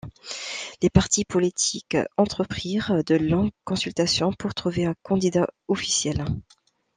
Les partis politiques entreprirent de longues consultations pour trouver un candidat officiel.